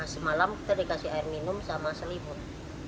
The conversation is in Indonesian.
semalam kita dikasih air minum sama selimut